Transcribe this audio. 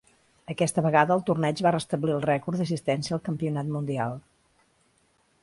Aquesta vegada, el torneig va restablir el rècord d'assistència al Campionat Mundial.